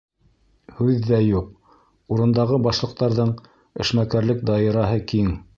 Һүҙ ҙә юҡ, урындағы башлыҡтарҙың эшмәкәрлек даирәһе киң.